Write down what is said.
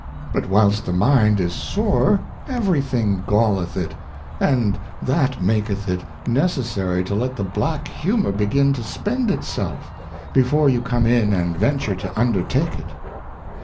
But whilst the Mind is sore, every thing galleth it, and that maketh it necessary to let the Black Humour begin to spend it self, before you come in and venture to undertake it.